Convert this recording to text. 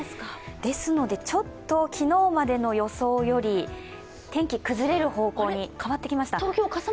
ですのでちょっと昨日までの予想より天気、崩れる方向に変わってきました。